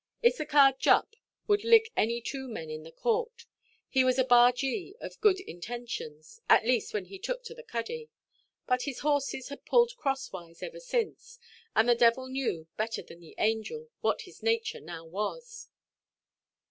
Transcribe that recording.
Issachar Jupp could lick any two men in the court. He was a bargee, of good intentions—at least, when he took to the cuddy; but his horses had pulled crosswise ever since; and the devil knew, better than the angels, what his nature now was.